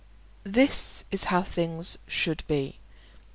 This is how things should be.